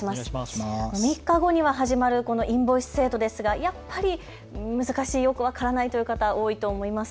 ３日後にも始まるインボイス制度ですがやっぱり難しい、よく分からないという方、多いと思います。